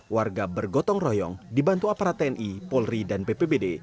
warga bergotong royong dibantu aparat tni polri dan bpbd